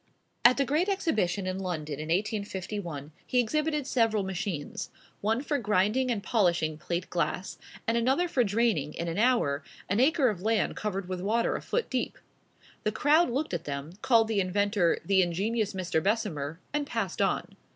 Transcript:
At the great exhibition in London in 1851, he exhibited several machines, one for grinding and polishing plate glass, and another for draining, in an hour, an acre of land covered with water a foot deep. The crowd looked at them, called the inventor "the ingenious Mr. Bessemer," and passed on.